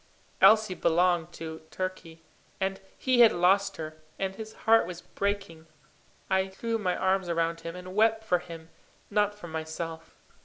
Elsie belonged to Turkey, and he had lost her, and his heart was breaking. I threw my arms round him, and wept for him, not for myself.